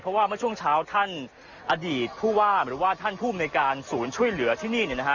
เพราะว่าเมื่อช่วงเช้าท่านอดีตผู้ว่าหรือว่าท่านภูมิในการศูนย์ช่วยเหลือที่นี่เนี่ยนะฮะ